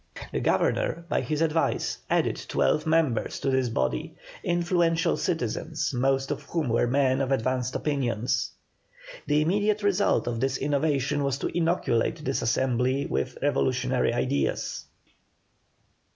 The Governor, by his advice, added twelve new members to this body, influential citizens, most of whom were men of advanced opinions. The immediate result of this innovation was to inoculate this assembly with revolutionary ideas.